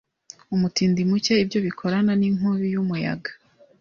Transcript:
Umutindi muke ibyo bikorana ninkubi yumuyaga